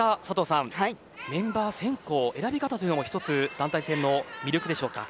メンバー選考や選び方も団体戦の魅力でしょうか。